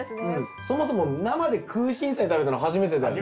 そもそも生でクウシンサイ食べたの初めてだしね。